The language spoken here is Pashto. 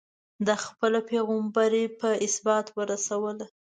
ده خپله پيغمبري په ازبات ورسوله.